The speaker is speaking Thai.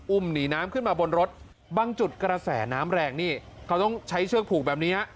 หนีน้ำขึ้นมาบนรถบางจุดกระแสน้ำแรงนี่เขาต้องใช้เชือกผูกแบบนี้